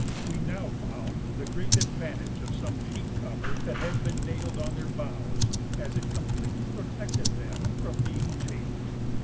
We now found the great advantage of some sheet copper that had been nailed on their bows, as it completely protected them from being chafed.